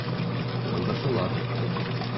Алдашалар.